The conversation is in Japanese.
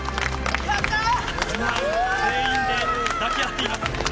今、全員で抱き合っています。